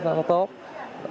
mình mới xuất khẩu